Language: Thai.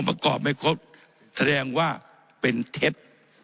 ประกอบไม่ครบแสดงว่าเป็นเท็จ